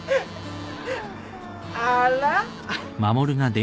あら？